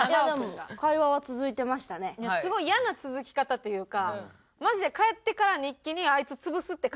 いやすごいイヤな続き方というか。